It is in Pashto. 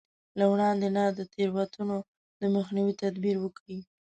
له وړاندې نه د تېروتنو د مخنيوي تدبير وکړي.